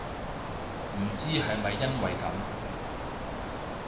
唔知係咪因為噉